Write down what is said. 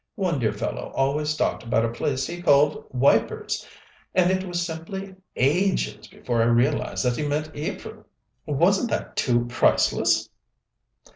One dear fellow always talked about a place he called Wipers, and it was simply ages before I realized that he meant Ypres! Wasn't that too priceless?"